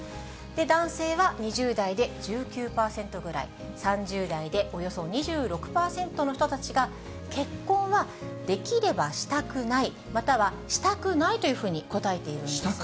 男性が２０代で１９％ぐらい、３０代でおよそ２６％の人たちが結婚はできればしたくない、またはしたくないというふうに答えているんです。